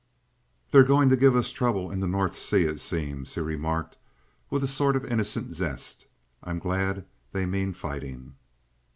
"They're going to give us trouble in the North Sea, it seems," he remarked with a sort of innocent zest. "I'm glad they mean fighting."